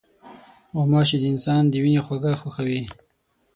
غوماشې د انسان د وینې خواږه خوښوي.